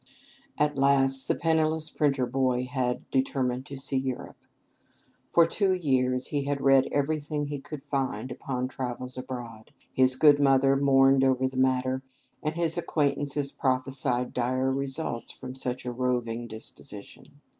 At last the penniless printer boy had determined to see Europe. For two years he had read every thing he could find upon travels abroad. His good mother mourned over the matter, and his acquaintances prophesied dire results from such a roving disposition.